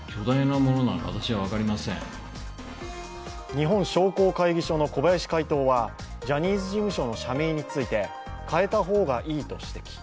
日本商工会議所の小林会頭はジャニーズ事務所の社名について変えた方がいいと指摘。